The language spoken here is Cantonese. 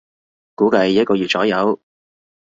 估計一個月左右